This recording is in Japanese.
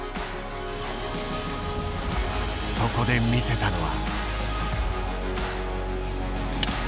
そこで見せたのは。